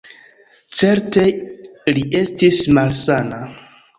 Certe li estis malsana.